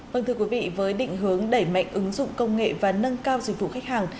vâng thưa quý vị với định hướng đẩy mạnh ứng dụng công nghệ và nâng cao dịch vụ khách hàng